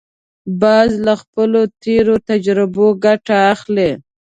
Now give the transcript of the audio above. باز له خپلو تېرو تجربو ګټه اخلي